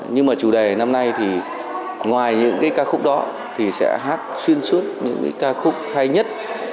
nhưng mà chủ đề năm nay thì ngoài những cái ca khúc đó thì sẽ hát xuyên suốt những cái ca khúc hay nhất